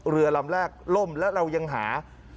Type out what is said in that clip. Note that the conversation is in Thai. เรือลำแรกล่มและเรายังหา